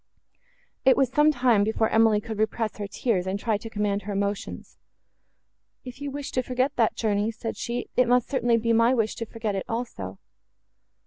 It was some time before Emily could repress her tears, and try to command her emotions. "If you wish to forget that journey," said she, "it must certainly be my wish to forget it also."